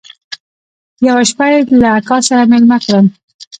يوه شپه يې له اکا سره ميلمه کړم.